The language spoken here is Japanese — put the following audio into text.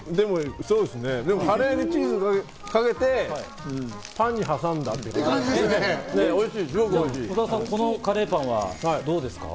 カレーにチーズをかけてパンに挟んだって感じですね。